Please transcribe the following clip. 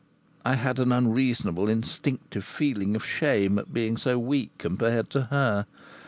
I had an unreasonable, instinctive feeling of shame at being so weak compared to her.